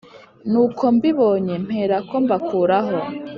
nuko mbibonye mperako mbakuraho